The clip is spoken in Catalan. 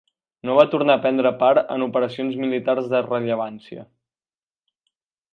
No va tornar a prendre part en operacions militars de rellevància.